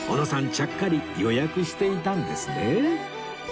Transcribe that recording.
ちゃっかり予約していたんですね